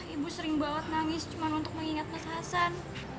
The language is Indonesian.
ibu sering banget nangis cuma untuk mengingat mas hasan